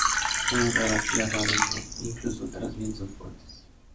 Muy rara tierra adentro, incluso tras vientos fuertes.